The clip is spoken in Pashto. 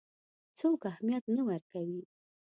څوک اهمیت نه ورکوي.